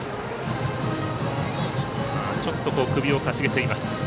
ちょっと首を傾げています。